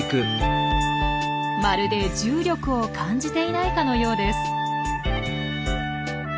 まるで重力を感じていないかのようです。